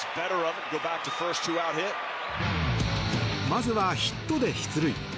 まずはヒットで出塁。